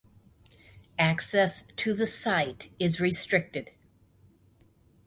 Access to the site is restricted.